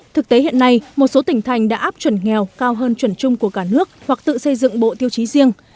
thực tế hiện nay một số tỉnh thành đã áp chuẩn nghèo cao hơn chuẩn chung của cả nước hoặc tự xây dựng bộ tiêu chí riêng